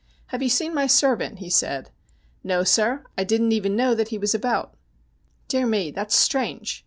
' Have you seen my servant ?' he asked. ' No, sir. I didn't even know that he was about.' ' Dear me, that's strange.